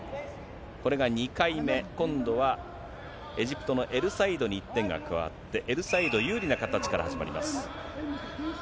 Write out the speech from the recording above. これが２回目、今度はエジプトのエルサイードに１点が加わって、エルサイード有利な形から始まります。